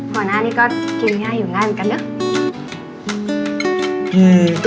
หัวหน้านี่ก็กินง่ายอยู่ง่ายเหมือนกันเนอะ